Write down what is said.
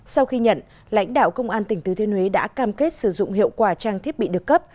sau khi nhận lãnh đạo công an tỉnh thứ thiên huế đã cam kết sử dụng hiệu quả trang thiết bị được cấp